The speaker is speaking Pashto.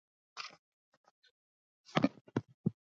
دا ودانۍ یو ډول هرم ته ورته جوړښت درلود.